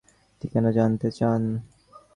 সেখানে এক লোক তাঁর নাম ও ঠিকানা জানতে চান।